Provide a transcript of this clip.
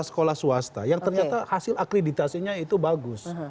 sekolah swasta yang ternyata hasil akreditasinya itu bagus